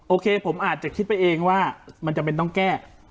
โอเคผมอาจจะคิดไปเองว่ามันจำเป็นต้องแก้